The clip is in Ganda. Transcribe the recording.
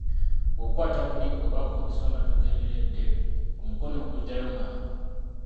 Bw'okwata ku liggwa oba ku mpiso nga togenderedde, omukono oguggyayo mangu.